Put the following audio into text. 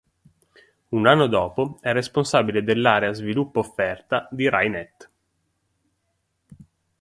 Un anno dopo è responsabile dell'area Sviluppo Offerta di Rai Net.